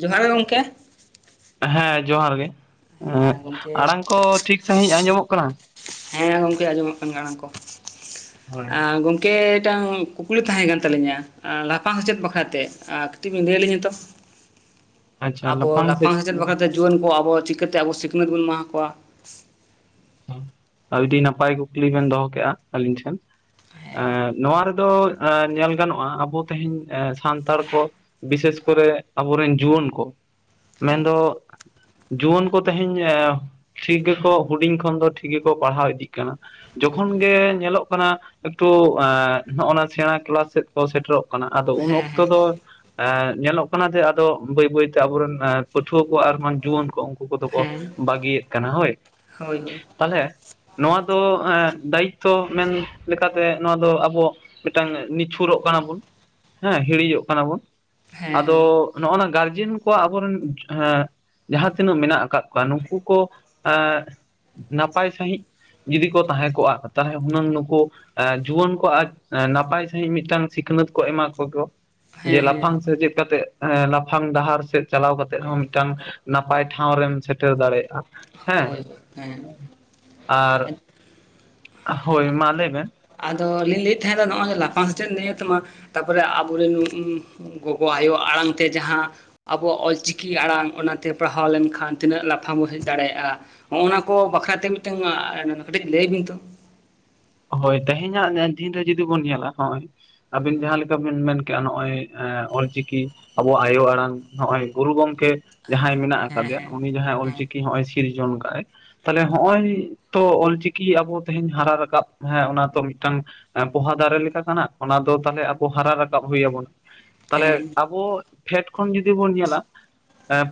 ᱡᱚᱦᱟᱨ ᱜᱮ ᱜᱚᱝᱠᱮ ᱦᱮᱸ ᱡᱚᱦᱟᱨ ᱜᱮ ᱦᱮᱸ ᱜᱚᱢᱠᱮ ᱟᱲᱟᱝ ᱠᱚ ᱴᱷᱤᱠ ᱥᱟᱺᱦᱤᱡ ᱟᱸᱡᱚᱢᱚᱜ ᱠᱟᱱᱟ? ᱦᱮᱸ ᱜᱚᱝᱠᱮ ᱟᱸᱡᱚᱢᱚᱜ ᱠᱟᱱ ᱟᱲᱟᱝ ᱠᱚ ᱦᱳᱭ ᱜᱚᱢ ᱠᱮ ᱴᱟᱝ ᱠᱩᱠᱞᱤ ᱛᱟᱦᱮᱸ ᱠᱟᱱ ᱛᱟᱹᱞᱤᱧᱟ ᱟᱨ ᱞᱟᱯᱷᱝ ᱥᱮᱪᱮᱫ ᱵᱟᱠᱷᱨᱟ ᱛᱮ ᱟᱨ ᱠᱟᱹᱴᱤᱜ ᱵᱤᱱ ᱞᱟᱹᱭᱟᱞᱤᱧᱟ ᱛᱚ ᱾ ᱟᱵᱚ ᱞᱟᱯᱷᱟᱝ ᱥᱮᱪᱮᱫ ᱵᱟᱠᱷᱨᱟᱛᱮ ᱡᱩᱣᱟᱹᱱ ᱠᱚ ᱟᱵᱚ ᱪᱤᱠᱟᱹᱛᱮ ᱟᱵᱚ ᱥᱤᱠᱷᱱᱟᱹᱛ ᱵᱚᱱ ᱮᱢᱟᱠᱚᱣᱟ? ᱟᱹᱰᱤ ᱱᱟᱯᱟᱭ ᱠᱩᱠᱞᱤ ᱵᱤᱱ ᱫᱚᱦᱚ ᱠᱮᱫᱮᱜᱼᱟ ᱟᱹᱞᱤᱧ ᱴᱷᱮᱱ ᱮ ᱱᱚᱣᱟ ᱨᱮᱫᱚ ᱮ ᱧᱮᱞ ᱜᱟᱱᱚᱜᱼᱟ ᱟᱵᱚ ᱛᱮᱦᱮᱧ ᱥᱟᱱᱛᱟᱲ ᱠᱚ ᱵᱤᱥᱮᱥ ᱠᱚᱨᱮ ᱟᱵᱚᱨᱮᱱ ᱡᱩᱣᱟᱹᱱ ᱠᱚ ᱦᱮᱸ ᱢᱮᱱᱫᱚ ᱡᱩᱣᱟᱹᱱ ᱠᱚ ᱛᱮᱦᱮᱧ ᱮ ᱴᱷᱤᱠ ᱜᱮᱠᱚ ᱦᱩᱰᱤᱧ ᱠᱷᱚᱱ ᱫᱚ ᱴᱷᱤᱠ ᱜᱮᱠᱚ ᱯᱟᱲᱦᱟᱣ ᱤᱫᱤᱜ ᱠᱟᱱᱟ ᱡᱚᱠᱷᱚᱱ ᱜᱮ ᱧᱮᱞᱚᱜ ᱠᱟᱱᱟ ᱮᱠᱴᱩ ᱮᱸ ᱱᱚᱜᱼᱱᱟ ᱥᱮᱬᱟ ᱠᱮᱞᱟᱥ ᱥᱮᱫ ᱠᱚ ᱥᱮᱴᱮᱨᱚᱜ ᱠᱟᱱᱟ ᱟᱫᱚ ᱩᱱ ᱦᱮᱸ ᱚᱠᱛᱚ ᱦᱮᱸ ᱫᱚ ᱧᱮᱞᱚᱜ ᱠᱟᱱᱟ ᱡᱮ ᱟᱫᱚ ᱵᱟᱹᱭ ᱵᱟᱹᱭᱛᱮ ᱟᱵᱚᱨᱮᱱ ᱮ ᱯᱟᱹᱴᱷᱩᱣᱟᱹ ᱠᱚ ᱟᱨ ᱵᱟᱝ ᱡᱩᱣᱟᱹᱱ ᱠᱚ ᱩᱱᱠᱩ ᱠᱚᱫᱚ ᱠᱚ ᱦᱮᱸ ᱵᱟᱹᱜᱤᱭᱮᱫ ᱠᱟᱱᱟ ᱦᱳᱭ ᱦᱳᱭ ᱦᱳᱭ ᱛᱟᱦᱞᱮ ᱱᱚᱣᱟ ᱫᱚ ᱮ ᱫᱟᱭᱤᱛᱛᱚ ᱢᱮᱱ ᱞᱮᱠᱟᱛᱮ ᱱᱚᱣᱟ ᱫᱚ ᱟᱵᱚ ᱢᱤᱫᱴᱟᱝ ᱱᱤᱪᱷᱩᱨᱚᱜ ᱠᱟᱱᱟ ᱵᱚᱱ ᱦᱮᱸ ᱦᱤᱲᱤᱡᱚᱜ ᱠᱟᱱᱟ ᱵᱚᱱ ᱦᱮᱸ ᱟᱫᱚ ᱱᱚᱜᱼᱱᱚᱣᱟ ᱜᱟᱨᱡᱮᱱ ᱠᱚᱣᱟᱜ ᱟᱵᱚᱨᱮᱱ ᱦᱮᱸ ᱡᱟᱦᱟᱸ ᱛᱤᱱᱟᱹᱜ ᱢᱮᱱᱟᱜ ᱟᱠᱟᱜ ᱠᱚᱣᱟ ᱱᱩᱝᱠᱩ ᱠᱚ ᱮ ᱱᱟᱯᱟᱭ ᱥᱟᱺᱦᱤᱜ ᱡᱩᱫᱤ ᱠᱚ ᱛᱟᱦᱮᱸ ᱠᱚᱜᱼᱟ ᱛᱟᱦᱚᱞᱮ ᱦᱩᱱᱟᱹᱝ ᱱᱩᱠᱩ ᱮ ᱡᱩᱣᱟᱹᱱ ᱠᱚ ᱟᱡ ᱱᱟᱯᱟᱭ ᱥᱟᱺᱦᱤᱡ ᱢᱤᱫᱴᱟᱱ ᱥᱤᱠᱷᱱᱟᱹᱛ ᱠᱚ ᱮᱢᱟ ᱠᱮᱠᱚ ᱡᱮ ᱦᱮᱸ ᱦᱮᱸ ᱞᱟᱯᱷᱟᱝ ᱦᱮᱸ ᱥᱮᱪᱮᱫ ᱠᱟᱛᱮᱜ ᱦᱮᱸ ᱞᱟᱯᱷᱟᱝ ᱰᱟᱦᱟᱨ ᱥᱮᱫ ᱪᱟᱞᱟᱣ ᱠᱟᱛᱮ ᱦᱚᱸ ᱢᱤᱫᱴᱟᱝ ᱱᱟᱯᱟᱭ ᱴᱷᱟᱶ ᱨᱮᱢ ᱥᱮᱴᱮᱨ ᱫᱟᱲᱮᱭᱟᱜᱼᱟ ᱾ ᱦᱮᱸ ᱦᱳᱭ ᱦᱮᱸ ᱟᱨ ᱦᱳᱭ ᱢᱟ ᱞᱮ ᱵᱮᱱ ᱟᱫᱚ ᱞᱤᱧ ᱞᱟᱹᱭᱮᱫ ᱛᱟᱦᱮᱸᱱᱟ ᱱᱚᱜᱼᱚᱭ ᱞᱟᱯᱷᱟᱝ ᱥᱮᱪᱮᱫ ᱱᱤᱭᱟᱹ ᱛᱮ ᱢᱟ ᱛᱟᱯᱚᱨᱮ ᱟᱵᱚᱨᱮᱱ [unintelligible] ᱜᱚᱜᱚ ᱟᱭᱳ ᱟᱲᱟᱝᱛᱮ ᱡᱟᱦᱟᱸ ᱟᱵᱚᱣᱟᱜ ᱚᱞᱪᱤᱠᱤ ᱟᱲᱟᱝ ᱚᱱᱟᱛᱮ ᱯᱟᱲᱦᱟᱣ ᱞᱮᱱᱠᱷᱟᱱ ᱛᱤᱱᱟᱹᱜ ᱞᱟᱯᱷᱟᱝ ᱵᱚᱱ ᱦᱮᱡ ᱫᱟᱲᱮᱭᱟᱜᱼᱟ ᱦᱚᱜᱼᱱᱟ ᱠᱚ ᱵᱟᱠᱷᱨᱟᱛᱮ ᱢᱤᱫᱴᱟᱝ ᱠᱟᱹᱴᱤᱡ ᱞᱟᱹᱭ ᱵᱤᱱ ᱛᱚ ᱾ ᱦᱳᱭ ᱛᱮᱦᱮᱧᱟᱜ ᱫᱤᱱ ᱨᱮ ᱡᱩᱫᱤ ᱵᱚᱱ ᱧᱮᱞᱟ ᱦᱚᱜᱼᱚᱭ ᱟᱵᱤᱱ ᱡᱟᱦᱟᱸᱞᱮᱠᱟ ᱵᱤᱱ ᱢᱮᱱᱠᱮᱜᱼᱟ ᱱᱚᱜᱼᱚᱭ ᱚᱞᱪᱤᱠᱤ ᱟᱵᱚᱣᱟᱜ ᱟᱭᱳ ᱟᱲᱟᱝ ᱱᱚᱜᱼᱚᱭ ᱜᱩᱨᱩ ᱜᱚᱝᱠᱮ ᱡᱟᱦᱟᱸᱭ ᱢᱮᱱᱟᱜ ᱟᱠᱟᱫᱮᱭᱟ ᱦᱮᱸ ᱩᱱᱤ ᱡᱟᱦᱟᱸᱭ ᱦᱮᱸ ᱚᱞᱪᱤᱠᱤ ᱱᱚᱜ-ᱚᱭ ᱥᱤᱨᱡᱚᱱ ᱠᱟᱜ ᱮ ᱛᱟᱦᱚᱞᱮ ᱦᱚᱜᱼᱚᱭ ᱛᱚ ᱚᱞᱪᱤᱠᱤ ᱟᱵᱚ ᱛᱮᱦᱮᱧ ᱦᱟᱨᱟ ᱨᱟᱠᱟᱵ ᱦᱮᱸ ᱚᱱᱟ ᱛᱚ ᱢᱤᱫᱴᱟᱝ ᱯᱚᱦᱟ ᱫᱟᱨᱮ ᱞᱮᱠᱟ ᱠᱟᱱᱟ ᱚᱱᱟ ᱫᱚ ᱛᱟᱦᱚᱞᱮ ᱟᱵᱚ ᱦᱟᱨᱟ ᱨᱟᱠᱟᱵ ᱦᱩᱭᱟᱵᱚᱱᱟ ᱛᱟᱦᱚᱞᱮ ᱦᱮᱸ ᱦᱮᱸ ᱟᱵᱚ ᱯᱷᱮᱰ ᱠᱷᱚᱱ ᱡᱩᱫᱤ ᱵᱚᱱ ᱧᱮᱞᱟ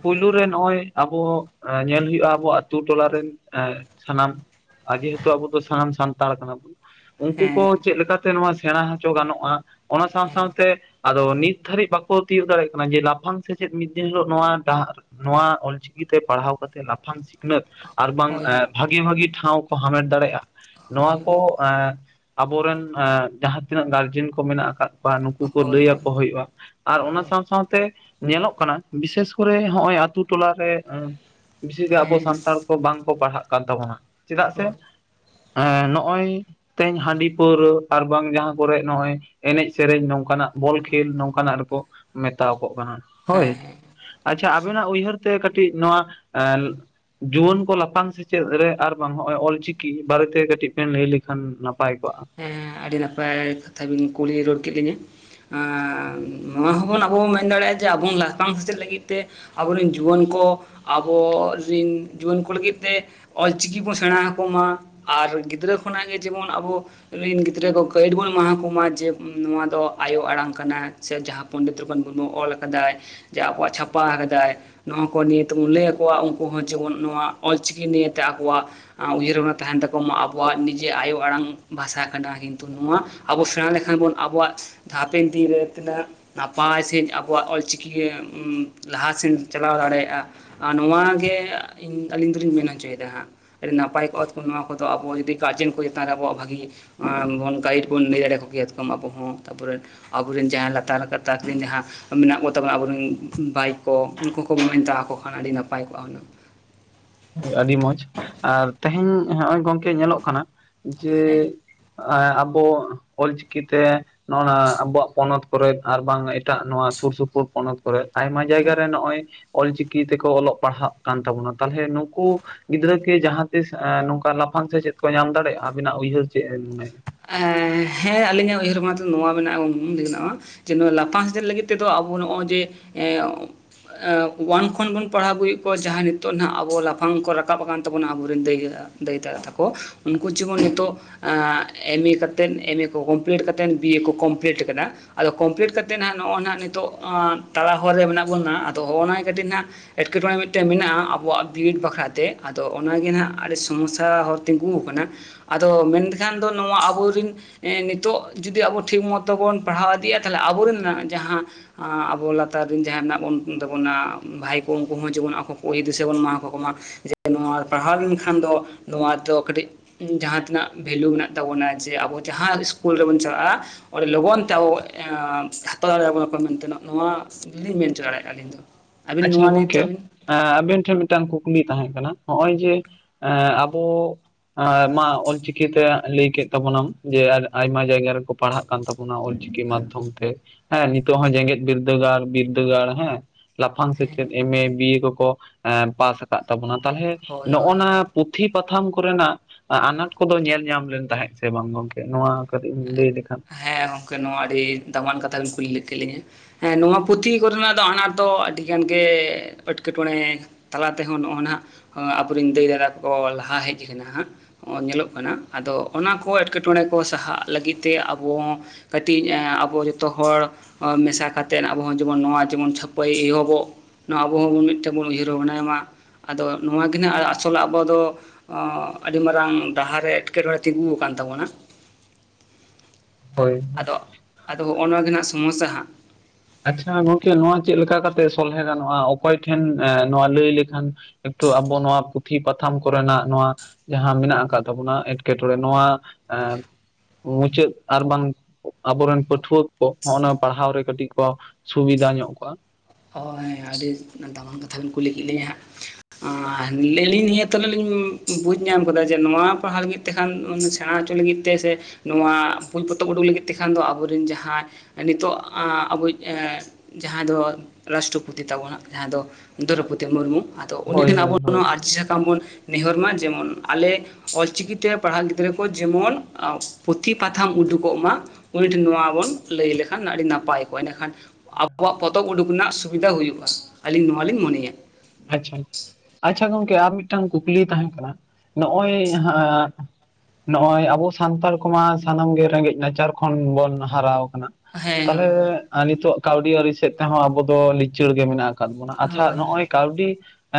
ᱯᱩᱭᱞᱩ ᱨᱮ ᱱᱚᱜᱼᱚᱭ ᱟᱵᱚ ᱧᱮᱞ ᱦᱳᱭᱳᱜᱼᱟ ᱟᱵᱚ ᱟᱛᱳ ᱴᱚᱞᱟ ᱨᱮᱱ ᱮᱸ ᱥᱟᱱᱟᱢ ᱟ ᱡᱮᱦᱮᱛᱩ ᱟᱵᱚ ᱫᱚ ᱥᱟᱱᱟᱢ ᱥᱟᱱᱛᱟᱲ ᱠᱟᱱᱟ ᱵᱚ ᱩᱱᱠᱩ ᱦᱮᱸ ᱠᱚ ᱪᱮᱫ ᱞᱮᱠᱟᱛᱮ ᱱᱚᱣᱟ ᱥᱮᱬᱟ ᱦᱚᱪᱚ ᱜᱟᱱᱚᱜᱼᱟ ᱚᱱᱟ ᱥᱟᱶ ᱦᱮᱸ ᱥᱟᱶᱛᱮ ᱟᱫᱚ ᱱᱤᱛ ᱫᱷᱟᱹᱨᱤᱡ ᱵᱟᱠᱚ ᱛᱤᱭᱳᱜ ᱫᱟᱲᱮᱭᱟᱜ ᱠᱟᱱᱟ ᱡᱮ ᱞᱟᱯᱷᱟᱝ ᱥᱮᱪᱮᱫ ᱢᱤᱫ ᱫᱤᱱ ᱦᱤᱞᱳᱜ ᱱᱚᱣᱟ ᱰᱟᱦᱟᱨ ᱱᱚᱣᱟ ᱚᱞᱪᱤᱠᱤᱛᱮ ᱯᱟᱲᱦᱟᱣ ᱠᱟᱛᱮᱮᱫ ᱞᱟᱯᱷᱟᱝ ᱥᱤᱠᱷᱱᱟᱹᱛ ᱟᱨ ᱵᱟᱝ ᱦᱳᱭ ᱦᱳᱭ ᱵᱷᱟᱜᱮ ᱵᱷᱟᱜᱤ ᱴᱷᱟᱶ ᱠᱚ ᱦᱟᱢᱮᱴ ᱫᱟᱲᱮᱭᱟᱜᱼᱟ ᱱᱚᱣᱟ ᱦᱳᱭ ᱠᱚ ᱮᱸᱼ ᱟᱵᱚᱨᱮᱱ ᱟ ᱡᱟᱦᱟᱸ ᱛᱤᱱᱟᱹᱜ ᱜᱟᱨᱡᱮᱱ ᱠᱚ ᱢᱮᱱᱟᱜ ᱟᱠᱟᱫ ᱠᱚᱣᱟ ᱱᱩᱠᱩ ᱠᱚ ᱦᱳᱭ ᱞᱟᱹᱭ ᱦᱳᱭ ᱟᱠᱚ ᱦᱩᱭᱩᱜᱼᱟ ᱟᱨ ᱚᱱᱟ ᱦᱳᱭ ᱥᱟᱶ ᱥᱟᱶᱛᱮ ᱧᱮᱞᱚᱜ ᱠᱟᱱᱟ ᱵᱤᱥᱮᱥ ᱠᱚᱨᱮ ᱱᱚᱜᱼᱚᱭ ᱟᱛᱳ ᱴᱚᱞᱟᱨᱮ ᱵᱮᱥᱤ ᱟᱵᱚ ᱦᱮᱸ ᱥᱟᱱᱛᱟᱲ ᱠᱚ ᱵᱟᱝ ᱠᱚ ᱯᱟᱲᱦᱟᱜ ᱠᱟᱱ ᱛᱟᱵᱚᱱᱟ ᱪᱮᱫᱟᱜ ᱥᱮ ᱦᱳᱭ ᱮᱸᱮᱸᱼ ᱱᱚᱜᱼᱚᱭ ᱛᱮᱦᱮᱧ ᱦᱟᱺᱰᱤ ᱯᱟᱹᱣᱨᱟᱹ ᱟᱨ ᱵᱟᱝ ᱡᱟᱦᱟᱸ ᱠᱚᱨᱮ ᱱᱚᱜᱼᱚᱭ ᱮᱱᱮᱡ ᱥᱮᱨᱮᱧ ᱱᱚᱝᱠᱟᱱᱟᱜ ᱵᱚᱞ ᱠᱷᱮᱞ ᱱᱚᱝᱠᱟᱱᱟᱜ ᱨᱮᱠᱚ ᱢᱮᱛᱟᱣ ᱠᱚᱜ ᱠᱟᱱᱟ ᱦᱳᱭ ᱦᱮᱸ ᱦᱮᱸ ᱟᱪᱪᱷᱟ ᱟᱵᱤᱱᱟᱜ ᱩᱭᱦᱟᱹᱨ ᱛᱮ ᱠᱟᱹᱴᱤᱡ ᱱᱚᱣᱟ ᱮ ᱡᱩᱣᱟᱹᱱ ᱠᱚ ᱞᱟᱯᱷᱟᱝ ᱥᱮᱪᱮᱜ ᱨᱮ ᱟᱨ ᱵᱟᱝ ᱱᱚᱜᱼᱚᱭ ᱚᱞᱪᱤᱠᱤ ᱵᱟᱨᱮᱛᱮ ᱠᱟᱹᱴᱤᱜ ᱦᱮᱸ ᱞᱟᱹᱭ ᱞᱮᱠᱷᱟᱱ ᱱᱟᱯᱟᱭ ᱠᱚᱜᱼᱟ ᱾ ᱦᱮᱸ ᱟᱹᱰᱤ ᱱᱟᱯᱟᱭ ᱠᱟᱛᱷᱟ ᱵᱤᱱ ᱠᱩᱞᱤ ᱨᱩᱣᱟᱹᱲ ᱠᱮᱫᱤᱧᱟᱹ ᱟᱼ ᱱᱚᱣᱟ ᱦᱚᱸᱵᱚᱱ ᱟᱵᱚ ᱵᱚᱱ ᱢᱮᱱ ᱫᱟᱲᱮᱭᱟᱜᱼᱟ ᱡᱮ ᱟᱵᱚ ᱞᱟᱯᱷᱟᱝ ᱥᱮᱪᱮᱫ ᱞᱟᱹᱜᱤᱫ ᱛᱮ ᱟᱵᱚᱨᱮᱱ ᱡᱩᱣᱟᱹᱱ ᱠᱚ ᱟᱵᱚ ᱨᱮᱱ ᱡᱩᱣᱟᱹᱱ ᱠᱚ ᱞᱟᱹᱜᱤᱫ ᱛᱮ ᱚᱞᱪᱤᱠᱤ ᱵᱚᱱ ᱥᱮᱬᱟ ᱟᱠᱚᱢᱟ ᱟᱨ ᱜᱤᱫᱽᱨᱟᱹ ᱠᱷᱚᱱᱟᱜ ᱜᱮ ᱡᱮᱢᱚᱱ ᱟᱵᱚ ᱨᱮᱱ ᱜᱤᱫᱽᱨᱟᱹ ᱠᱚ ᱜᱟᱹᱭᱤᱰ ᱵᱚᱱ ᱮᱢᱟ ᱠᱚᱢᱟ ᱡᱮ ᱱᱚᱣᱟ ᱫᱚ ᱟᱭᱳ ᱟᱲᱟᱝ ᱠᱟᱱᱟ ᱥᱮ ᱡᱟᱦᱟᱸ ᱯᱚᱱᱰᱤᱛ ᱨᱟᱹᱜᱷᱩᱛᱷ ᱢᱩᱨᱢᱩ ᱚᱞ ᱟᱠᱟᱱᱟ ᱟᱠᱟᱫᱟᱭ ᱡᱮ ᱟᱵᱚᱣᱟᱜ ᱪᱷᱟᱯᱟ ᱟᱠᱟᱫᱟᱭ ᱱᱚᱣᱟ ᱠᱚ ᱱᱤᱭᱮ ᱛᱮᱵᱚᱱ ᱞᱟᱹᱭ ᱟᱠᱚᱣᱟ ᱩᱱᱠᱩ ᱦᱚᱸ ᱡᱮᱢᱚᱱ ᱱᱚᱣᱟ ᱚᱞᱪᱤᱠᱤ ᱱᱤᱭᱮᱛᱮ ᱟᱠᱚᱣᱟᱜ ᱟ ᱩᱭᱦᱟᱹᱨ ᱵᱷᱟᱵᱱᱟ ᱛᱟᱦᱮᱱ ᱛᱟᱠᱚᱢᱟ ᱟᱵᱚᱣᱟᱜ ᱱᱤᱡᱮ ᱟᱭᱳ ᱟᱲᱟᱝ ᱵᱷᱟᱥᱟ ᱠᱟᱱᱟ ᱠᱤᱱᱛᱩ ᱱᱚᱣᱟ ᱟᱵᱚ ᱥᱮᱬᱟ ᱞᱮᱠᱷᱟᱱ ᱵᱚᱱ ᱟᱵᱚᱣᱟᱜ ᱦᱟᱯᱮᱱ ᱫᱤᱱᱨᱮ ᱛᱤᱱᱟᱹᱜ ᱱᱟᱯᱟᱭ ᱥᱟᱺᱦᱤᱡ ᱟᱵᱚᱣᱟᱜ ᱚᱞᱪᱤᱠᱤ ᱞᱟᱦᱟᱥᱮᱱ ᱪᱟᱞᱟᱣ ᱫᱟᱲᱮᱭᱟᱜᱼᱟ ᱟᱨ ᱱᱚᱣᱟᱜ ᱜᱮ ᱟᱹᱞᱤᱧ ᱫᱚᱞᱤᱧ ᱢᱮᱱ ᱦᱚᱪᱚᱭᱮᱫᱟ ᱦᱟᱸᱜ ᱟᱹᱰᱤ ᱱᱟᱯᱟᱭ ᱠᱚᱜᱼᱟ ᱱᱚᱣᱟ ᱠᱚᱫᱚ ᱟᱵᱚ ᱡᱤ ᱜᱟᱨᱡᱮᱱ ᱠᱚ ᱪᱮᱛᱟᱱ ᱨᱮ ᱟᱵᱚ ᱵᱷᱟᱹᱜᱤ ᱟ ᱜᱟᱭᱤᱰ ᱵᱚᱱ ᱞᱟᱹᱭ ᱫᱟᱲᱮᱭᱟᱠᱚ ᱠᱮᱭᱟᱛᱚᱢ ᱟᱵᱚ ᱦᱚᱸ ᱛᱟᱯᱚᱨᱮ ᱟᱵᱚᱨᱮᱱ ᱡᱟᱦᱟᱸ ᱞᱟᱛᱟᱨ ᱜᱟᱛᱟᱠ ᱨᱮᱱ ᱡᱟᱦᱟᱸ ᱢᱮᱱᱟᱜ ᱠᱚᱛᱟᱵᱚᱱᱟ ᱟᱵᱚᱨᱮᱱ ᱵᱟᱭ ᱠᱚ ᱩᱱᱠᱩ ᱠᱚ ᱟᱹᱧ ᱢᱮᱛᱟ ᱟᱠᱚ ᱠᱷᱟᱱ ᱟᱹᱰᱤ ᱱᱟᱯᱟᱭ ᱠᱚᱜᱼᱟ ᱦᱩᱹᱜ ᱟᱹᱰᱤ ᱢᱚᱸᱡᱽ ᱟᱨ ᱛᱮᱦᱮᱧ ᱦᱚᱜᱼᱚᱸᱭ ᱜᱚᱢᱠᱮ ᱧᱮᱞᱚᱜ ᱠᱟᱱᱟ ᱡᱮ ᱦᱮᱸ ᱟᱵᱚ ᱚᱞᱪᱤᱠᱤ ᱛᱮ ᱦᱚᱜᱼᱚᱸᱭ ᱟᱵᱚᱣᱟᱜ ᱯᱚᱱᱚᱛ ᱠᱚᱨᱮ ᱟᱨ ᱵᱟᱝ ᱮᱴᱟᱜ ᱱᱚᱣᱟ ᱥᱩᱨ ᱥᱩᱯᱩᱨ ᱯᱚᱱᱚᱛ ᱠᱚᱨᱮ ᱟᱭᱢᱟ ᱦᱮᱸ ᱡᱟᱭᱜᱟ ᱨᱮ ᱱᱚᱜᱼᱚᱭ ᱚᱞᱪᱤᱠᱤ ᱛᱮᱠᱚ ᱚᱞᱚᱜ ᱯᱟᱲᱦᱟᱜ ᱠᱟᱱ ᱛᱟᱵᱚᱱᱟ ᱛᱟᱦᱚᱞᱮ ᱱᱩᱠᱩ ᱜᱤᱫᱽᱨᱟᱹ ᱠᱤ ᱡᱟᱦᱟᱸ ᱛᱤᱥ ᱱᱚᱝᱠᱟ ᱞᱟᱯᱷᱟᱝ ᱥᱮᱪᱮᱫ ᱠᱚ ᱧᱟᱢ ᱫᱟᱲᱮᱭᱟᱜᱼᱟ ᱟᱵᱤᱱᱟᱜ ᱩᱭᱦᱟᱹᱨ ᱪᱮᱫ ᱮ ᱢᱚᱱᱮᱫᱟ? ᱮᱸ ᱦᱮᱸ ᱟᱹᱞᱤᱧᱟᱜ ᱩᱭᱦᱟᱹᱨ ᱢᱟᱛᱚ ᱱᱚᱣᱟ ᱢᱮᱱᱟᱜᱼᱟᱼᱟ ᱡᱮ ᱱᱚᱣᱟ ᱞᱟᱯᱷᱟᱝ ᱥᱮᱪᱮᱫ ᱞᱟᱹᱜᱤᱫ ᱛᱮᱫᱚ ᱟᱵᱚ ᱱᱚᱜᱼᱚᱭ ᱡᱮ ᱮᱸ ᱮᱸ ᱣᱟᱱ ᱠᱷᱚᱱ ᱵᱚᱱ ᱯᱟᱲᱦᱟᱣ ᱟᱹᱜᱩᱭᱮᱫ ᱠᱚᱣᱟ ᱡᱟᱦᱟᱸ ᱱᱤᱛᱚᱜ ᱦᱟᱸᱜ ᱟᱵᱚ ᱞᱟᱯᱷᱟᱝ ᱠᱚ ᱨᱟᱠᱟᱵ ᱟᱠᱟᱱ ᱛᱟᱵᱚᱱᱟ ᱟᱵᱚᱨ ᱨᱮᱱ ᱫᱟᱹᱭ ᱦᱟᱜᱼᱟ ᱫᱟᱹᱭ ᱫᱟᱫᱟ ᱛᱟᱠᱚ ᱩᱱᱠᱩ ᱡᱮᱢᱚᱱ ᱱᱤᱛᱚᱜ ᱮᱢᱮ ᱠᱟᱛᱮᱫ ᱮᱢᱮ ᱠᱚ ᱠᱚᱢᱯᱞᱤᱴ ᱠᱟᱛᱮᱫ ᱵᱤᱭᱮ ᱠᱚ ᱠᱚᱢᱯᱞᱤᱴ ᱟᱠᱟᱫᱟ ᱟᱫᱚ ᱠᱚᱢᱯᱞᱤᱴ ᱠᱟ ᱠᱟᱛᱮᱫ ᱦᱟᱸᱜ ᱱᱚᱜᱼᱚᱭ ᱱᱟᱜ ᱱᱤᱛᱚᱜ ᱛᱟᱞᱟ ᱦᱚᱨ ᱨᱮ ᱢᱮᱱᱟᱜ ᱵᱚᱱᱟ ᱟᱫᱚ ᱱᱚᱜᱼᱚ ᱱᱟ ᱠᱟᱹᱴᱤᱡ ᱦᱟᱸᱜ ᱮᱸᱴᱠᱮᱴᱚᱬᱮ ᱢᱤᱫᱴᱮᱱ ᱢᱮᱱᱟᱜᱼᱟ ᱟᱵᱚᱣᱟᱜ ᱵᱤᱱᱤᱰ ᱵᱟᱠᱷᱨᱟᱛᱮ ᱟᱫᱚ ᱚᱱᱟᱜᱮ ᱦᱟᱸᱜ ᱟᱹᱰᱤ ᱥᱚᱢᱚᱥᱥᱭᱟ ᱦᱚᱸ ᱛᱤᱸᱜᱩ ᱟᱠᱟᱱᱟ ᱟᱫᱚ ᱢᱮᱱᱠᱷᱟᱱ ᱫᱚ ᱱᱚᱣᱟ ᱟᱵᱚᱨ ᱨᱤᱱ ᱦᱮᱸ ᱱᱤᱛᱚᱜ ᱡᱩᱫᱤ ᱟᱵᱚ ᱴᱷᱤᱠ ᱢᱚᱛᱚ ᱵᱚᱱ ᱯᱟᱲᱦᱟᱣ ᱤᱫᱤᱜᱼᱟ ᱛᱟᱦᱞᱮ ᱟᱵᱚᱨᱮᱱ ᱡᱟᱦᱟᱸ ᱟᱵᱚ ᱞᱟᱛᱟᱨ ᱨᱮᱱ ᱡᱟᱦᱟᱸᱭ ᱢᱮᱱᱟᱜ ᱵᱚᱱ ᱛᱟᱵᱚᱱᱟ ᱵᱷᱟᱭ ᱠᱚ ᱩᱱᱠᱩ ᱦᱚᱸ ᱡᱮᱢᱚᱱ ᱟᱵᱚ ᱠᱚ ᱫᱤᱥᱟᱹ ᱵᱚᱱ ᱮᱢᱟ ᱟᱠᱚ ᱢᱟ ᱡᱮ ᱱᱚᱣᱟ ᱯᱟᱲᱦᱟᱣ ᱞᱮᱱᱠᱷᱟᱱ ᱫᱚ ᱱᱚᱣᱟ ᱨᱮᱫᱚ ᱠᱟᱹᱴᱤᱡ ᱡᱟᱦᱟᱸ ᱛᱤᱱᱟᱹᱜ ᱵᱷᱮᱞᱩ ᱢᱮᱱᱟᱜ ᱛᱟᱵᱚᱱᱟ ᱡᱮ ᱟᱵᱚ ᱡᱟᱦᱟᱸ ᱤᱥᱠᱩᱞ ᱨᱮᱵᱚᱱ ᱪᱟᱞᱟᱜᱼᱟ ᱟᱹᱰᱤ ᱞᱚᱜᱚᱱ ᱛᱮ ᱟᱵᱚ ᱮᱸ ᱦᱟᱛᱟᱣ ᱫᱟᱲᱮᱭᱟᱵᱚᱱᱟ ᱟᱯᱚᱭ ᱢᱮᱱᱛᱮᱱᱟᱜ ᱱᱚᱣᱟ ᱜᱮᱞᱤᱧ ᱢᱮᱱᱪᱚ ᱫᱟᱲᱮᱭᱟᱜᱼᱟ ᱟᱹᱞᱤᱧ ᱫᱚ ᱟᱹᱵᱤᱱ ᱟᱪᱪᱷᱟ ᱱᱚᱣᱟ ᱱᱤᱭᱮᱛᱮ ᱜᱚᱢᱠᱮ ᱟᱹᱵᱤᱱ ᱮ ᱟᱵᱤᱱ ᱴᱷᱮᱱ ᱢᱤᱫᱴᱟᱱ ᱠᱩᱠᱞᱤ ᱛᱟᱦᱮᱸᱠᱟᱱᱟ ᱱᱚᱜᱼᱚᱭ ᱡᱮ ᱟᱵᱚ ᱟᱭᱢᱟ ᱚᱞᱪᱤᱠᱤ ᱛᱮ ᱞᱟᱹᱭ ᱠᱮᱫ ᱛᱟᱵᱚᱱᱟᱢ ᱡᱮ ᱟᱭᱢᱟ ᱡᱟᱭᱜᱟ ᱨᱮᱠᱚ ᱯᱟᱲᱦᱟᱜ ᱠᱟᱱ ᱛᱟᱵᱚᱱᱟ ᱚᱞᱪᱤᱠᱤ ᱢᱟᱫᱽᱫᱷᱚᱢ ᱛᱮ ᱦᱮᱸ ᱱᱤᱛᱚᱜ ᱦᱚᱸ ᱡᱮᱜᱮᱫ ᱵᱤᱨᱫᱟᱹᱜᱟᱲ ᱵᱤᱨᱫᱟᱹᱜᱟᱲ ᱦᱮᱸ ᱞᱟᱯᱷᱟᱝ ᱦᱮᱸ ᱥᱮᱪᱮᱫ ᱮᱢᱮ ᱵᱤᱭᱮ ᱠᱚᱠᱚ ᱯᱟᱥ ᱟᱠᱟᱫ ᱛᱟᱵᱚᱱᱟ ᱛᱟᱦᱚᱞᱮ ᱦᱳᱭ ᱱᱚᱜᱼᱚ ᱦᱳᱭ ᱱᱟ ᱦᱳᱭ ᱯᱩᱛᱷᱤ ᱯᱟᱛᱷᱟᱢ ᱠᱚᱨᱮᱱᱟᱜ ᱟᱱᱟᱴ ᱠᱚᱫᱚ ᱧᱮᱞ ᱧᱟᱢ ᱞᱮᱱ ᱛᱟᱦᱮᱸᱫ ᱥᱮ ᱵᱟᱝ ᱜᱚᱝᱠᱮ ᱱᱚᱣᱟ ᱠᱟᱹᱴᱤᱡ ᱮᱢ ᱞᱟᱹᱭ ᱞᱮᱠᱷᱟᱱ ᱦᱮᱸ ᱜᱚᱝᱠᱮ ᱱᱚᱣᱟ ᱟᱹᱰᱤ ᱫᱟᱢᱟᱱ ᱠᱟᱛᱷᱟ ᱵᱮᱤᱱ ᱠᱩᱞᱤ ᱞᱮᱜ ᱠᱮᱫ ᱞᱤᱧᱟᱹ ᱦᱮᱸ ᱱᱚᱣᱟ ᱯᱩᱛᱷᱤ ᱠᱚᱨᱮᱱᱟᱜ ᱫᱚ ᱟᱱᱟᱴ ᱫᱚ ᱟᱹᱰᱤ ᱜᱟᱱ ᱜᱮ ᱮᱴᱠᱮ ᱴᱚᱬᱮ ᱛᱟᱞᱟ ᱛᱮᱦᱚᱸ ᱱᱚᱜᱼᱚᱭ ᱱᱟ ᱟᱵᱚᱨᱮᱱ ᱫᱟᱹᱭ ᱫᱟᱫᱟᱵᱟ ᱞᱟᱦᱟ ᱦᱮᱡ ᱠᱟᱱᱟ ᱦᱟᱸᱜ ᱧᱮᱞᱚᱜ ᱠᱟᱱᱟ ᱟᱫᱚ ᱚᱱᱟ ᱠᱚ ᱮᱸᱴᱠᱮᱴᱚᱬᱮ ᱠᱚ ᱥᱟᱦᱟᱜ ᱞᱟᱹᱜᱤᱫ ᱛᱮ ᱟᱵᱚ ᱠᱟᱹᱴᱤᱡ ᱟᱵᱚ ᱡᱚᱛᱚ ᱦᱚᱲ ᱢᱮᱥᱟ ᱠᱟᱛᱮᱫ ᱟᱵᱚᱚᱸ ᱡᱮᱢᱚᱱ ᱱᱚᱣᱟ ᱡᱮᱢᱚᱱ ᱪᱷᱟᱹᱯᱟᱹᱭ ᱮᱦᱚᱵᱚᱜ ᱱᱚᱣᱟ ᱟᱵᱚ ᱦᱚᱸ ᱢᱤᱫᱴᱮᱱ ᱵᱚᱱ ᱩᱭᱦᱟᱹᱨ ᱵᱷᱟᱵᱱᱟᱭ ᱢᱟ ᱟᱫᱚ ᱱᱚᱣᱟ ᱜᱮ ᱦᱟᱸᱜ ᱟᱥᱚᱞ ᱟᱵᱚ ᱫᱚ ᱟᱹᱰᱤ ᱢᱟᱨᱟᱝ ᱰᱟᱦᱟᱨᱮ ᱮᱸᱴᱠᱮᱴᱚᱬᱮ ᱛᱤᱜᱩ ᱟᱠᱟᱱ ᱛᱟᱵᱚᱱᱟ ᱦᱳᱭ ᱟᱫᱚ ᱟᱫᱚ ᱦᱚᱸᱜᱼᱚ ᱱᱚᱣᱟ ᱜᱮ ᱦᱟᱸᱟᱜ ᱥᱚᱢᱚᱥᱭᱟ ᱦᱟᱸᱜ ᱟᱪᱷᱟ ᱜᱚᱢᱠᱮ ᱱᱚᱣᱟ ᱪᱮᱫ ᱞᱮᱠᱟ ᱠᱟᱛᱮ ᱥᱚᱞᱦᱮ ᱜᱟᱱᱚᱜᱼᱟ ᱚᱠᱚᱭ ᱴᱷᱮᱱ ᱱᱚᱣᱟ ᱞᱟᱹᱭ ᱞᱮᱠᱷᱟᱱ ᱮᱠᱴᱩ ᱟᱵᱚ ᱱᱚᱣᱟ ᱯᱩᱛᱷᱤ ᱯᱟᱛᱷᱟᱢ ᱠᱚᱨᱮᱱᱟᱜ ᱱᱚᱣᱟ ᱡᱟᱦᱟᱸ ᱢᱮᱱᱟᱜ ᱟᱠᱟᱫ ᱛᱟᱵᱚᱱᱟ ᱮᱸᱴᱠᱮᱴᱚᱬᱮ ᱱᱚᱣᱟ ᱮᱸ ᱢᱩᱪᱟᱹᱫ ᱟᱨ ᱵᱟᱝ ᱟᱵᱚᱨᱮᱱ ᱯᱟᱹᱴᱷᱩᱣᱟᱹ ᱠᱚ ᱦᱚᱜᱼᱚ ᱱᱚᱣᱟ ᱯᱟᱲᱦᱟᱣ ᱨᱮ ᱠᱟᱹᱴᱤᱡ ᱥᱩᱵᱤᱫᱷᱟ ᱧᱚᱜ ᱠᱚᱣᱟ ᱦᱳᱭ ᱟᱹᱰᱤ ᱫᱟᱢᱟᱱ ᱠᱟᱛᱷᱟ ᱵᱮᱱ ᱠᱩᱞᱤ ᱠᱮᱫ ᱞᱮᱭᱟ ᱦᱟᱸᱜ ᱟᱨ ᱟᱹᱞᱤᱧ ᱱᱤᱭᱟᱹ ᱛᱮ ᱞᱤᱧ ᱵᱩᱡᱽ ᱧᱟᱢ ᱟᱠᱟᱫᱟ ᱡᱮ ᱱᱚᱣᱟ ᱯᱟᱲᱦᱟᱣ ᱞᱟᱹᱜᱤᱫ ᱛᱮᱠᱷᱟᱱ ᱥᱮᱬᱟ ᱚᱪᱚ ᱞᱟᱹᱜᱤᱫ ᱛᱮ ᱥᱮ ᱱᱚᱣᱟ ᱵᱳᱞ ᱯᱚᱛᱚᱵ ᱩᱰᱩᱠ ᱞᱟᱹᱜᱤᱫ ᱛᱮᱠᱷᱟᱱ ᱫᱚ ᱟᱵᱚ ᱨᱮᱱ ᱡᱟᱦᱟᱸᱭ ᱱᱤᱛᱚᱜ ᱟᱵᱚᱭᱤᱡ ᱡᱟᱦᱟᱸ ᱫᱚ ᱨᱟᱥᱴᱨᱚᱯᱚᱛᱤ ᱛᱟᱵᱚᱱᱟ ᱡᱟᱦᱟᱸᱭ ᱫᱚ ᱫᱨᱳᱣᱯᱚᱫᱤ ᱢᱩᱨᱢᱩ ᱟᱫᱚ ᱩᱱᱤ ᱦᱳᱭ ᱴᱷᱮᱱ ᱦᱳᱭ ᱟᱵᱚ ᱦᱳᱭ ᱱᱚᱣᱟ ᱟᱨᱡᱤ ᱥᱟᱠᱟᱢ ᱵᱚᱱ ᱱᱮᱦᱚᱨ ᱢᱟ ᱡᱮᱢᱚᱱ ᱟᱞᱮ ᱚᱞᱪᱤᱠᱤ ᱛᱮ ᱯᱟᱲᱦᱟᱜ ᱜᱤᱫᱽᱨᱟᱹ ᱠᱚ ᱡᱮᱢᱚᱱ ᱯᱩᱛᱷᱤ ᱯᱟᱛᱷᱟᱢ ᱩᱰᱩᱠᱚᱜ ᱢᱟ ᱩᱱᱤ ᱴᱷᱮᱱ ᱱᱚᱣᱟ ᱵᱚᱱ ᱞᱟᱹᱭ ᱞᱮᱠᱷᱟᱱ ᱟᱹᱰᱤ ᱱᱟᱯᱟᱭ ᱠᱚᱜᱼᱟ ᱮᱸᱰᱮᱠᱷᱟᱱ ᱟᱵᱚᱣᱟᱜ ᱯᱚᱛᱚᱵ ᱩᱰᱩᱠ ᱨᱮᱱᱟᱜ ᱥᱩᱵᱤᱫᱷᱟ ᱦᱩᱭᱩᱜᱼᱟ ᱟᱹᱞᱤᱧ ᱱᱚᱣᱟ ᱞᱤᱧ ᱢᱚᱱᱮᱭᱟ ᱟᱪᱷᱟ ᱟᱪᱪᱷᱟ ᱜᱚᱝᱠᱮ ᱟᱨ ᱢᱤᱫᱴᱟᱝ ᱠᱩᱠᱞᱤ ᱛᱟᱦᱮᱸ ᱠᱟᱱᱟ ᱱᱚᱜᱼᱚᱭ ᱱᱚᱜᱼᱚᱭ ᱟᱵᱚ ᱥᱟᱱᱛᱟᱲ ᱠᱚᱢᱟ ᱥᱟᱱᱟᱢ ᱜᱮ ᱨᱮᱸᱜᱮᱡ ᱱᱟᱪᱟᱨ ᱠᱷᱚᱱ ᱵᱚᱱ ᱦᱟᱨᱟᱣ ᱟᱠᱟᱱᱟ᱾ ᱦᱮᱸ ᱛᱟᱦᱚᱞᱮ ᱦᱳᱭ ᱦᱳᱭ ᱱᱤᱛᱚᱜ ᱠᱟᱹᱣᱰᱤ ᱟᱹᱨᱤ ᱥᱮᱫ ᱛᱮᱦᱚᱸ ᱟᱵᱚ ᱫᱚ ᱞᱤᱪᱟᱹᱲ ᱜᱮ ᱢᱮᱱᱟᱜ ᱠᱟᱫ ᱵᱚᱱᱟ ᱟᱪᱷᱟ ᱦᱳᱭ ᱱᱚᱜᱼᱚᱭ ᱠᱟᱹᱣᱰᱤ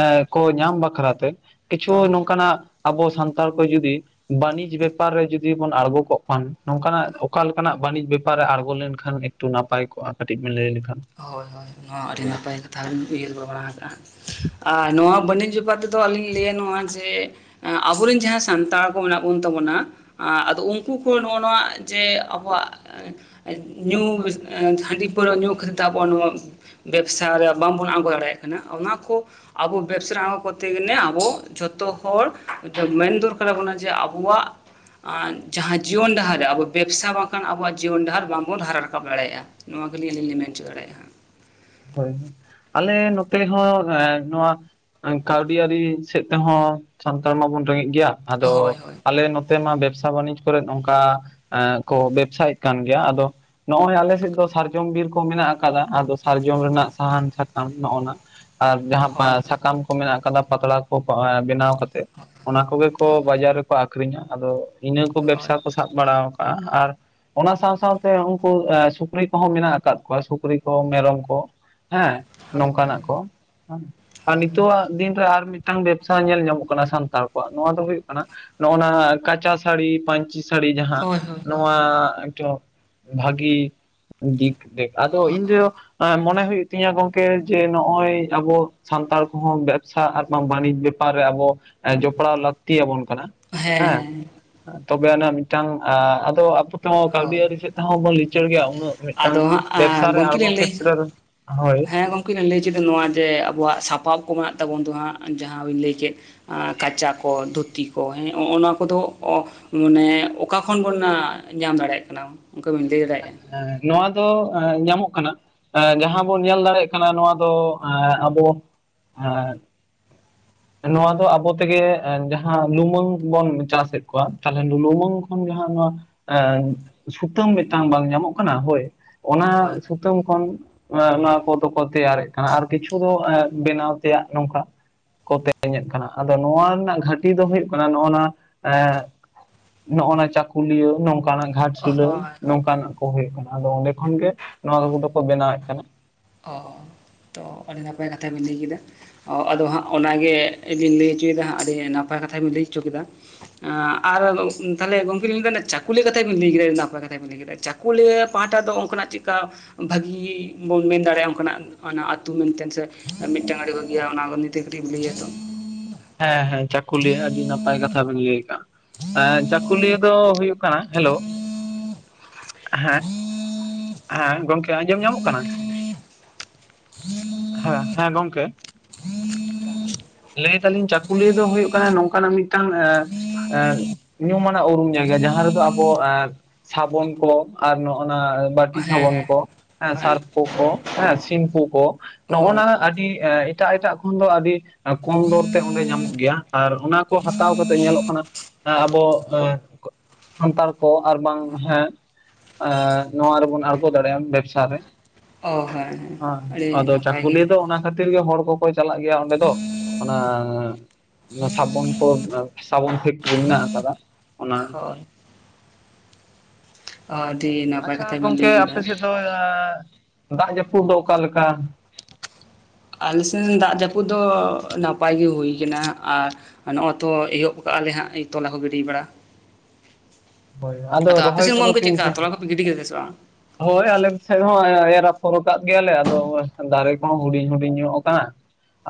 ᱮᱸ ᱠᱚ ᱧᱟᱢ ᱵᱟᱠᱷᱨᱟᱛᱮ ᱠᱤᱪᱷᱩ ᱦᱳᱭ ᱱᱚᱝᱠᱟᱱᱟᱜ ᱟᱵᱚ ᱥᱟᱱᱛᱟᱲ ᱠᱚ ᱡᱩᱫᱤ ᱵᱟᱹᱱᱤᱡᱽ ᱵᱮᱯᱟᱨ ᱨᱮ ᱡᱩᱫᱤ ᱵᱚᱱ ᱟᱬᱜᱚ ᱠᱚᱜ ᱠᱷᱟᱱ ᱱᱚᱝᱠᱟᱱᱟᱜ ᱚᱠᱟ ᱞᱮᱠᱟᱱᱟᱜ ᱵᱟᱹᱱᱤᱡᱽ ᱵᱮᱯᱟᱨ ᱨᱮ ᱟᱬᱜᱚ ᱞᱮᱱᱠᱷᱟᱱ ᱛᱚ ᱱᱟᱯᱟᱭ ᱠᱚᱜᱼᱟ ᱠᱟᱹᱴᱤᱡ ᱵᱮᱱ ᱞᱟᱹᱭ ᱞᱮᱠᱷᱟᱱ ᱦᱳᱭ ᱦᱳᱭ ᱱᱚᱣᱟ ᱟᱹᱰᱤ ᱱᱟᱯᱟᱭ ᱠᱟᱛᱷᱟ ᱵᱮᱱ ᱩᱭᱣᱟᱹᱨ ᱵᱟᱲᱟ ᱟᱠᱟᱟᱜᱼᱟ ᱟᱨ ᱱᱚᱣᱟ ᱵᱟᱱᱤᱡᱽᱚᱯᱟ ᱫᱚ ᱟᱫᱚ ᱟᱞᱤᱧ ᱞᱟᱹᱭᱟ ᱱᱚᱣᱟ ᱡᱮ ᱟᱵᱚᱨᱮᱱ ᱡᱟᱦᱟᱸ ᱥᱟᱱᱛᱟᱲ ᱠᱚ ᱢᱮᱱᱟᱜ ᱵᱚᱱ ᱛᱟᱵᱚᱱᱟ ᱟᱫᱚ ᱩᱱᱠᱩ ᱠᱚ ᱱᱚᱜᱼᱚ ᱱᱚᱣᱟ ᱡᱮ ᱟᱵᱚᱣᱟᱜ ᱧᱩ ᱦᱟᱺᱰᱤ ᱯᱟᱹᱣᱨᱟᱹ ᱧᱩ ᱠᱷᱟᱹᱛᱤᱨ ᱛᱮ ᱟᱵᱚᱣᱟᱜ ᱱᱚᱣᱟ ᱵᱮᱵᱽᱥᱟ ᱨᱮ ᱵᱟᱝᱵᱚᱱ ᱟᱬᱜᱚ ᱫᱟᱲᱮᱭᱟᱜ ᱠᱟᱱᱟ ᱚᱱᱟ ᱠᱚ ᱟᱵᱚ ᱵᱮᱵᱽᱥᱟ ᱟᱬᱜᱚ ᱠᱚᱨᱛᱮ ᱜᱮᱞᱮ ᱟᱵᱚ ᱡᱷᱚᱛᱚ ᱦᱚᱲ ᱢᱮᱱ ᱫᱚᱨᱠᱟᱨᱟᱵᱚᱱᱟ ᱡᱮ ᱟᱵᱚᱣᱟᱜ ᱟᱨ ᱡᱟᱦᱟᱸ ᱡᱤᱭᱚᱱ ᱰᱟᱦᱟᱨ ᱨᱮ ᱟᱵᱚ ᱵᱮᱵᱽᱥᱟ ᱵᱟᱝᱠᱷᱟᱱ ᱟᱵᱚᱣᱟᱜ ᱡᱤᱭᱚᱱ ᱰᱟᱦᱟᱨ ᱵᱟᱝᱵᱚᱱ ᱦᱟᱨᱟ ᱨᱟᱠᱟᱵ ᱫᱟᱲᱮᱭᱟᱜᱼᱟ ᱱᱚᱣᱟ ᱠᱚᱞᱤᱧ ᱟᱞᱤᱧ ᱞᱮ ᱢᱮᱱ ᱦᱚᱪᱚ ᱫᱟᱲᱮᱭᱟᱜᱼᱟ ᱦᱳᱭ ᱦᱚᱭ ᱟᱞᱮ ᱱᱚᱛᱮ ᱦᱚᱸ ᱱᱚᱣᱟ ᱠᱟᱹᱣᱰᱤ ᱟᱹᱨᱤ ᱥᱮᱫ ᱛᱮᱦᱚᱸ ᱥᱟᱱᱛᱟᱲ ᱢᱟᱵᱚᱱ ᱨᱮᱸᱜᱮᱡ ᱜᱮᱭᱟ ᱦᱳᱭ ᱟᱫᱚ ᱦᱳᱭ ᱟᱞᱮ ᱱᱚ ᱢᱟ ᱵᱮᱵᱽᱥᱟ ᱵᱟᱹᱱᱤᱡᱽ ᱠᱚᱨᱮᱫ ᱚᱱᱠᱟ ᱠᱚ ᱵᱮᱵᱽᱥᱟᱭᱮᱫ ᱠᱟᱱ ᱜᱮᱭᱟ ᱟᱫᱚ ᱱᱚᱜᱼᱚᱭ ᱟᱞᱮ ᱥᱮᱫ ᱫᱚ ᱥᱟᱨᱡᱚᱢ ᱵᱤᱨ ᱠᱚ ᱢᱮᱱᱟᱜ ᱟᱠᱟᱫᱟ ᱟᱫᱚ ᱥᱟᱨᱡᱚᱢ ᱨᱮᱱᱟᱜ ᱥᱟᱦᱟᱱ ᱥᱟᱠᱟᱢ ᱱᱚᱜᱼᱚ ᱱᱟ ᱟᱨ ᱡᱟᱦᱟᱸ ᱦᱳᱭ ᱥᱟᱠᱟᱢ ᱢᱮᱱᱟᱜ ᱠᱟᱫᱟ ᱯᱟᱛᱲᱟ ᱠᱚ ᱵᱮᱱᱟᱣ ᱠᱟᱛᱮ ᱦᱳᱭ ᱚᱱᱟ ᱠᱚᱜᱮ ᱠᱚ ᱵᱟᱡᱟᱨ ᱨᱮᱠᱚ ᱟᱠᱷᱨᱤᱧᱟ ᱟᱫᱚ ᱤᱱᱟᱹ ᱠᱚ ᱦᱳᱭ ᱵᱮᱵᱽᱥᱟ ᱠᱚ ᱥᱟᱵ ᱵᱟᱲᱟ ᱠᱟᱜᱼᱟ ᱟᱨ ᱚᱱᱟ ᱥᱟᱶ ᱥᱟᱶᱛᱮ ᱩᱱᱠᱩ ᱥᱩᱠᱨᱤ ᱠᱚᱦᱚᱸ ᱢᱮᱱᱟᱜ ᱟᱠᱟᱫ ᱠᱚᱣᱟ ᱥᱩᱠᱨᱤ ᱠᱚ ᱢᱮᱨᱚᱢ ᱦᱮᱸ ᱦᱳᱭ ᱱᱚᱝᱠᱟᱱᱟᱜ ᱠᱚ ᱦᱮᱸ ᱟᱨ ᱱᱤᱛᱚᱜ ᱫᱤᱱ ᱨᱮ ᱟᱨ ᱢᱤᱫᱴᱟᱝ ᱵᱮᱵᱽᱥᱟ ᱧᱮᱞ ᱧᱟᱢᱚᱜ ᱠᱟᱱᱟ ᱥᱟᱱᱛᱟᱲ ᱠᱚᱣᱟᱜ ᱱᱚᱣᱟ ᱫᱚ ᱦᱩᱭᱩᱜ ᱠᱟᱱᱟ ᱱᱚᱜᱼ ᱱᱟ ᱠᱟᱸᱪᱟ ᱥᱟᱹᱲᱤ ᱯᱟᱹᱧᱪᱤ ᱥᱟᱹᱲᱤ ᱡᱟᱦᱟᱸ ᱦᱳᱭ ᱦᱳᱭ ᱦᱳᱭ ᱱᱚᱣᱟ ᱦᱳᱭ ᱮᱠᱴᱚ ᱵᱷᱟᱜᱤ ᱫᱤᱠ ᱫᱮᱠ ᱟᱫᱚ ᱤᱧᱫᱚ ᱢᱚᱱᱮ ᱦᱩᱭᱩᱜ ᱛᱤᱧᱟᱹ ᱜᱚᱢᱠᱮ ᱡᱮ ᱱᱚᱜᱼᱚᱭ ᱟᱵᱚ ᱥᱟᱱᱛᱟᱲ ᱠᱚᱦᱚᱸ ᱵᱮᱵᱽᱥᱟ ᱟᱨ ᱵᱟᱝ ᱵᱟᱱᱤᱡᱽ ᱵᱮ ᱯᱨ ᱨᱮ ᱟᱵᱚ ᱡᱚᱯᱲᱟᱣ ᱞᱟᱹᱠᱛᱤ ᱟᱵᱚᱱ ᱠᱟᱱᱟ ᱦᱮᱸ ᱛᱚᱵᱮ ᱟᱱᱟᱜ ᱢᱤᱫᱴᱟᱝ ᱟᱫᱚ ᱟᱯᱚ ᱛᱮᱦᱚᱸ ᱠᱟᱹᱣᱰᱤ ᱦᱳᱭ ᱟᱹᱨᱤ ᱥᱮᱫ ᱦᱚᱸᱵᱚᱱ ᱞᱤᱪᱟᱹᱲ ᱜᱮᱭᱟ ᱩᱱᱟᱹᱜ ᱢᱤᱫᱴᱟᱝ ᱟᱫᱚ ᱵᱮᱵᱽᱥᱟ ᱦᱟᱸᱜ ᱨᱮ ᱟᱬᱜᱚ ᱠᱷᱮᱛᱨᱮ ᱨᱮ ᱦᱳᱭ ᱠᱤᱱ ᱞᱟᱹᱭ ᱠᱮᱫᱟ ᱱᱚᱣᱟ ᱡᱮ ᱟᱵᱚᱣᱟᱜ ᱥᱟᱯᱟᱵ ᱠᱚ ᱢᱮᱱᱟᱜ ᱛᱟᱵᱚᱱ ᱫᱚ ᱦᱟᱸᱜ ᱡᱟᱦᱟᱸ ᱵᱮᱱ ᱞᱟᱹᱭ ᱠᱮᱫ ᱠᱟᱸᱪᱟ ᱠᱚ ᱫᱷᱩᱛᱤ ᱠᱚ ᱦᱮᱸᱜᱼ ᱱᱚᱣᱟ ᱠᱚᱫᱚ ᱢᱟᱱᱮ ᱚᱠᱟ ᱠᱷᱚᱱ ᱵᱚᱱ ᱧᱟᱢ ᱫᱟᱲᱮᱭᱟᱜ ᱠᱟᱱᱟ, ᱚᱱᱠᱟ ᱵᱤᱱ ᱞᱟᱹᱭ ᱫᱟᱲᱮᱭᱟᱜᱼᱟ? ᱦᱮᱸ ᱱᱚᱣᱟ ᱫᱚ ᱧᱟᱢᱚᱜ ᱠᱟᱱᱟ ᱾ ᱡᱟᱦᱟᱸ ᱵᱚᱱ ᱧᱮᱞ ᱫᱟᱲᱭᱟᱜ ᱠᱟᱱᱟ ᱱᱚᱣᱟ ᱫᱚ ᱟᱵᱚ ᱮᱸ [inaudible] ᱱᱚᱣᱟ ᱫᱚ ᱟᱵᱚ ᱛᱮᱜᱮ, ᱡᱟᱦᱟᱸ ᱞᱩᱢᱟᱹᱝ ᱵᱚᱱ ᱪᱟᱥᱮᱫ ᱠᱚᱣᱟ, ᱛᱟᱦᱚᱞᱮ ᱞᱩᱢᱟᱹᱝ ᱠᱷᱚᱱ ᱜᱮᱦᱟᱜ ᱱᱚᱣᱟ, ᱥᱩᱛᱟᱹᱢ ᱢᱤᱫᱴᱟᱝ ᱵᱟᱝ ᱧᱟᱢᱚᱜ ᱠᱟᱱᱟ, ᱦᱳᱭ ᱚᱱᱟ ᱦᱳᱭ ᱥᱩᱛᱟᱹᱢ ᱠᱷᱚᱱ ᱱᱚᱣᱟ ᱠᱚᱫᱚᱠᱚ ᱛᱮᱭᱟᱨᱮᱜ ᱠᱟᱱᱟ, ᱟᱨ ᱠᱤᱪᱷᱩ ᱫᱚ ᱦᱳᱭ ᱵᱮᱱᱟᱣ ᱛᱮᱭᱟᱜ ᱱᱚᱝᱠᱟ ᱾ ᱠᱚ ᱛᱮᱧᱮᱫ ᱠᱟᱱᱟ ᱟᱫᱚ ᱱᱚᱣᱟ ᱨᱮᱱᱟᱜ ᱜᱷᱟᱹᱴᱤ ᱫᱚ ᱦᱩᱭᱩᱜ ᱠᱟᱱᱟ, ᱱᱚᱜᱼᱚ ᱱᱟ ᱱᱚᱜᱼᱚᱱᱟ ᱪᱟᱹᱠᱩᱞᱤᱭᱟᱹ ᱱᱚᱝᱠᱟᱱᱟᱜ ᱜᱷᱟᱴᱥᱤᱞᱟᱹ ᱦᱳᱭ ᱱᱚᱝᱠᱟᱱᱟᱜ ᱠᱚ ᱦᱩᱭᱩᱜ ᱠᱟᱱᱟ ᱟᱫᱚ ᱚᱸᱰᱮ ᱠᱷᱚᱱᱟᱜ ᱱᱚᱣᱟ ᱠᱚ ᱠᱚᱫᱚ ᱠᱚ ᱵᱮᱱᱟᱣᱮᱫ ᱠᱟᱱᱟ ᱾ ᱛᱚ ᱟᱹᱰᱤ ᱱᱟᱯᱟᱭ ᱠᱟᱛᱷᱟ ᱵᱮᱤᱱ ᱞᱟᱹᱭ ᱠᱮᱫᱟ ᱾ ᱚ ᱟᱫᱚ ᱦᱟᱸᱜ ᱚᱱᱟᱜᱮᱞᱤᱧ ᱞᱟᱹᱭ ᱚᱪᱚᱭᱮᱫᱟ ᱦᱟᱸᱜ ᱟᱹᱰᱤ ᱱᱟᱯᱟᱭ ᱠᱟᱛᱷᱟ ᱵᱮᱤᱱ ᱞᱟᱹᱭ ᱚᱪᱚ ᱠᱮᱫᱟ᱾ ᱟᱨ ᱛᱟᱦᱞᱮ ᱜᱚᱝᱠᱮ ᱢᱮᱱᱟᱹᱭᱫᱟ ᱪᱟᱹᱠᱩᱞᱞᱤᱭᱟᱹ ᱠᱟᱛᱷᱟ ᱵᱮᱤᱱ ᱞᱟᱹᱭ ᱠᱮᱫᱟ ᱵᱟᱯᱞᱟ ᱠᱟᱛᱷᱟ ᱵ ᱵᱮ ᱞᱟᱹᱭ ᱾ ᱪᱟᱹᱠᱚᱞᱤᱭᱟᱹ ᱯᱟᱦᱴᱟ ᱫᱚ ᱚᱱᱠᱟᱱᱟᱜ ᱪᱮᱫᱠᱟ ᱵᱷᱟᱹᱜᱤ ᱵᱚᱱ ᱢᱮᱱ ᱫᱟᱲᱮᱭᱟᱜᱼᱟ ᱚᱱᱠᱟᱱᱟᱜ ᱚᱱᱟ ᱟᱹᱛᱩ ᱢᱮᱱᱛᱮ ᱥᱮ ᱢᱤᱫᱴᱟᱝ ᱟᱲᱮ ᱠᱚ ᱜᱮᱭᱟ ᱚᱱᱟ ᱠᱚ ᱱᱤᱛᱮ ᱠᱟᱹᱴᱤᱡ ᱮᱢ ᱞᱟᱹᱭᱟ ᱛᱚ ᱾ ᱦᱮᱸ ᱦᱮᱸ ᱪᱟᱹᱠᱩᱞᱤᱭᱟᱹ ᱟᱹᱰᱤ ᱱᱟᱯᱟᱭ ᱠᱟᱛᱷᱟ ᱵᱮᱱ ᱞᱟᱹᱭ ᱟᱠᱟᱟᱜ-ᱟ, ᱪᱟᱹᱠᱩᱞᱤᱭᱟᱹ ᱫᱚ ᱦᱩᱭᱩᱜ ᱦᱮᱞᱳ, ᱦᱮᱸ ᱦᱮᱸ ᱜᱚᱝᱠᱮ ᱟᱸᱡᱚᱢ ᱧᱟᱢᱚᱜ ᱠᱟᱱᱟ, ᱦᱮᱸ ᱦᱮᱸ ᱜᱚᱝᱠᱮ ᱾ ᱞᱟᱹᱭ ᱫᱟᱞᱤᱧ ᱪᱟᱹᱠᱩᱞᱤᱭᱟᱹ ᱫᱚ ᱦᱩᱭᱩᱜ ᱠᱟᱱᱟ ᱱᱚᱝᱠᱟᱱᱟᱜ ᱢᱤᱫᱴᱟᱝ ᱮ ᱧᱩᱢ ᱟᱱᱟᱜ ᱩᱨᱩᱢ ᱡᱟᱭᱜᱟ ᱡᱟᱦᱟᱸ ᱨᱮᱫᱚ ᱟᱵᱚ ᱥᱟᱵᱚᱱ ᱠᱚ ᱟᱨ ᱱᱚᱜ ᱱᱟ, ᱵᱴᱤ ᱦᱮᱸ ᱥᱟᱵᱚᱱ ᱦᱮᱸ ᱠᱚ, ᱦᱮ ᱦᱮᱸ ᱥᱟᱨᱯᱳ ᱠᱚ, ᱦᱮ, ᱥᱤᱢᱯᱩ ᱠᱚ, ᱦᱳᱭ ᱱᱚᱜᱱᱟ ᱟᱹᱰᱤ ᱮ ᱮᱴᱟᱜ ᱮᱴᱟᱜ ᱠᱷᱚᱱ ᱫᱚ ᱟᱹᱰᱤ ᱠᱚᱢ ᱫᱚᱨ ᱛᱮ ᱚᱸᱰᱮ ᱧᱟᱢᱚᱜ ᱜᱮᱭᱟ ᱟᱨ ᱚᱱᱟ ᱠᱚ ᱦᱟᱛᱟᱣ ᱠᱟᱛᱮᱮᱫ ᱧᱮᱞᱚᱜ ᱠᱟᱱᱟ ᱾ ᱟᱵᱚ ᱥᱟᱱᱛᱟᱲ ᱠᱚ ᱟᱨ ᱵᱟᱝ ᱦᱮᱸ ᱱᱚᱣᱟ ᱨᱮᱵᱚᱱ ᱟᱬᱜᱚ ᱫᱟᱲᱮᱭᱟᱜᱼᱟ ᱵᱮᱵᱽᱥᱟ ᱨᱮ ᱚ ᱦᱮᱸ ᱟᱹᱰᱤ ᱟᱫᱚ ᱱᱟᱯᱟᱭ ᱜᱮ ᱪᱟᱠᱩᱞᱤᱭᱟᱹ ᱫᱚ ᱚᱱᱟ ᱠᱷᱟᱹᱛᱤᱨ ᱜᱮ ᱦᱚᱲ ᱠᱚᱠᱚ ᱪᱟᱞᱟᱜ ᱜᱮᱭᱟ ᱚᱸᱰᱮ ᱫᱚ ᱾ ᱚᱱᱟ ᱥᱟᱵᱚᱱ ᱠᱚ ᱥᱟᱵᱚᱱ ᱯᱷᱮᱠᱴᱨᱤ ᱢᱮᱱᱟᱜ ᱟᱠᱟᱫᱟ ᱚᱱᱟ ᱾ ᱦᱳᱭ ᱟᱰᱤᱱ ᱟᱪᱪᱷᱟ ᱜᱚᱝᱠᱮ ᱟᱯᱮᱥᱮᱫ ᱫᱚ ᱫᱟᱜ ᱡᱟᱹᱯᱩᱫ ᱫᱚ ᱚᱠᱟᱞᱮᱠᱟ? ᱟᱞᱮᱥᱱ ᱫᱟᱜ ᱡᱟᱹᱯᱩᱫ ᱫᱚ ᱱᱟᱯᱟᱭ ᱜᱮ ᱦᱩᱭ ᱟᱠᱟᱱᱟ ᱾ ᱟᱨ ᱱᱚᱜᱼ ᱛᱚ ᱮᱦᱚᱵ ᱠᱟᱜᱼᱟ ᱞᱮ ᱦᱟᱸᱜ ᱛᱚᱞᱟ ᱠᱚ ᱜᱤᱰᱤ ᱵᱟᱲᱟ ᱾ ᱦᱳᱭ ᱟᱫᱚ ᱟᱯᱮ ᱨᱚᱦᱚᱭ ᱥᱮᱱ ᱠᱚᱫᱚ ᱜᱚᱢᱠᱮ ᱛᱤᱱ ᱪᱮᱫᱠᱟ ᱥᱟᱸᱜᱽ ᱛᱚᱞᱟ ᱠᱚᱯᱮ ᱜᱤᱰᱤ ᱠᱮᱫᱟ ᱥᱮ ᱵᱟᱝ ᱦᱳᱭ ᱟᱞᱮ ᱥᱮᱫ ᱦᱚᱸ ᱮᱨᱯᱷᱚᱨ ᱠᱟᱜ ᱜᱮᱭᱟᱞᱮ ᱟᱫᱚ ᱫᱟᱨᱮ ᱠᱚᱦᱚᱸ ᱦᱩᱰᱤᱧ ᱦᱩᱰᱤᱧ ᱧᱚᱜ ᱟᱠᱟᱱᱟ ᱾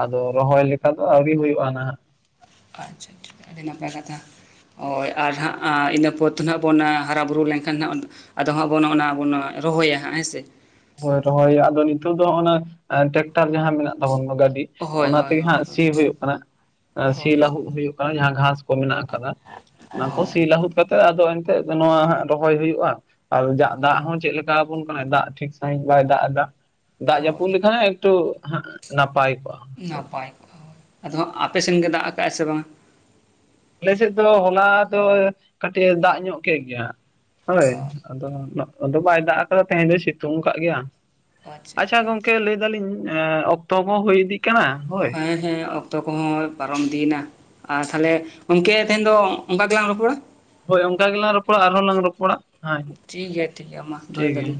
ᱟᱫᱚ ᱨᱚᱦᱚᱭ ᱞᱮᱠᱷᱟᱱ ᱫᱚ ᱟᱹᱣᱨᱤ ᱦᱩᱭᱩᱜᱼᱟ ᱱᱟᱦᱟᱜ ᱾ ᱟᱪᱪᱷᱟ ᱴᱷᱤᱠ ᱟᱹᱰᱤ ᱱᱟᱯᱟᱭ ᱠᱟᱛᱷᱟ ᱦᱳᱭ ᱟᱨ ᱦᱟᱸᱜ ᱤᱱᱟᱹ ᱯᱚᱨ ᱫᱚ ᱱᱟᱦᱜ ᱵᱚᱱ ᱦᱟᱨᱟᱵᱩᱨᱩ ᱞᱮᱱᱠᱷᱟᱱ ᱦᱟᱸᱜ, ᱟᱫᱚ ᱦᱟᱜᱵᱚᱱ ᱚᱱᱟ ᱵᱚᱱ ᱨᱚᱦᱚᱭᱟ ᱦᱟᱸᱜ ᱦᱮᱸ ᱥᱮ, ᱦᱳᱭ ᱨᱚᱦᱚᱭ ᱟᱫᱚ ᱱᱤᱛᱚᱜ ᱫᱚ ᱱᱟ ᱴᱨᱟᱠᱴᱟᱨ ᱡᱟᱦᱟᱸ ᱢᱮᱱᱟᱜ ᱛᱟᱵᱚᱱᱟ ᱜᱟᱹᱰᱤ ᱦᱳᱭ ᱚᱱᱟ ᱦᱳᱭ ᱛᱮᱜᱮ ᱦᱳᱭ ᱦᱟᱸᱜ ᱦᱳᱭ ᱥᱤ ᱦᱩᱭᱩᱜ ᱠᱟᱱᱟ, ᱥᱤ ᱦᱳᱭ ᱞᱟᱹᱦᱩᱫ ᱦᱩᱭᱩᱜ ᱠᱟᱱᱟ, ᱡᱟᱦᱟᱸ ᱜᱷᱟᱥ ᱠᱚ ᱢᱮᱱᱟᱜ ᱟᱠᱟᱫᱟ ᱾ ᱚᱱᱟ ᱠᱚ ᱥᱤ ᱦᱳᱭ ᱞᱟᱹᱦᱩᱫ ᱠᱟᱛᱮ ᱟᱫᱚ ᱮᱱᱛᱮᱜ ᱱᱚᱣᱟ ᱦᱟᱸᱜ ᱨᱚᱦᱚᱭ ᱦᱩᱭᱩᱜᱼᱟ ᱾ ᱟᱨᱠᱤ ᱟ ᱫᱟᱜ ᱫᱟᱜ ᱦᱳᱭ ᱦᱚᱸ ᱪᱮᱫ ᱞᱮᱠᱟ ᱟᱵᱚᱱ ᱠᱟᱱᱟ, ᱫᱟᱜ ᱴᱷᱤᱠ ᱥᱟᱺᱦᱤᱡ ᱵᱟᱭ ᱫᱟᱜ ᱮᱫᱟ ᱾ ᱫᱟᱜ ᱦᱳᱭ ᱡᱟᱹᱯᱩᱫ ᱞᱮᱠᱷᱟᱱ ᱮᱠᱴᱩ ᱱᱟᱯᱟᱭ ᱠᱚᱜᱼᱟ ᱾ ᱱᱟᱯᱟᱭ ᱠᱚᱜᱼᱟ ᱟᱫᱚ ᱦᱟᱸᱜ ᱟᱯᱮᱥᱱ ᱜᱮ ᱫᱟᱜ ᱟᱠᱟᱜᱼᱟ ᱥᱮ ᱵᱟᱝᱟ ᱟᱞᱮᱮᱥᱮᱫ ᱫᱚ ᱦᱚᱞᱟ ᱫᱚ ᱠᱟᱹᱴᱤᱡ ᱫᱟᱜ ᱧᱚᱜ ᱠᱮᱫ ᱜᱮᱭᱟ ᱦᱳᱭ ᱚ ᱟᱫᱚ ᱟᱫᱚ ᱵᱟᱭ ᱫᱟᱜ ᱟᱠᱟᱫᱟ ᱛᱮᱦᱮᱧ ᱫᱚᱭ ᱥᱤᱛᱩᱝ ᱟᱠᱟᱫ ᱜᱮᱭᱟ ᱾ ᱟᱪᱪᱷᱟ ᱜᱚᱝᱠᱮ ᱞᱟᱹᱭ ᱫᱟᱞᱤᱧ ᱚᱠᱛᱚ ᱦᱚᱸ ᱦᱩᱭ ᱤᱫᱤᱜ ᱠᱟᱱᱟ ᱾ ᱦᱳᱭ ᱦᱮᱸ ᱦᱮᱸ ᱚᱠᱛᱚ ᱠᱚᱦᱚᱸ ᱯᱟᱨᱚᱢ ᱤᱫᱤᱭᱮᱱᱟ ᱾ ᱟᱨ ᱛᱟᱦᱚᱞᱮ ᱜᱚᱝᱠᱮ ᱛᱮᱦᱮᱱ ᱫᱚ ᱚᱱᱠᱟ ᱜᱮᱞᱟᱝ‌ ᱨᱚᱯᱚᱲᱟ ᱾ ᱦᱳᱭ ᱚᱱᱠᱟ ᱜᱮᱞᱟᱝ ᱨᱚᱯᱚᱲᱟ ᱟᱨᱦᱚᱸ ᱞᱟᱝ ᱨᱚᱯᱚᱲᱟ ᱦᱮᱭ, ᱴᱷᱤᱠ ᱜᱮᱭᱟ ᱴᱷᱤᱠ ᱜᱮᱭᱟ ᱢᱟ ᱫᱚᱦᱚᱭ ᱴᱷᱤᱠ ᱜᱮᱭᱟ ᱫᱟᱞᱤᱧ